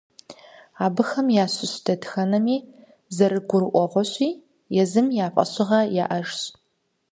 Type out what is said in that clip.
Абыхэм ящыщ дэтхэнэми, зэрыгурыӀуэгъуэщи, езым я фӀэщыгъэ яӀэжщ.